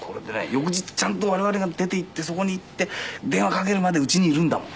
翌日ちゃんと我々が出て行ってそこに行って電話かけるまで家にいるんだもん。